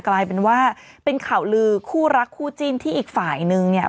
กลายเป็นว่าเป็นข่าวลือคู่รักคู่จิ้นที่อีกฝ่ายนึงเนี่ย